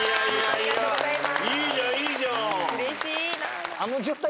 ありがとうございます。